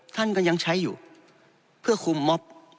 ท่านก็ยังใช้อยู่เพื่อคุมมอบ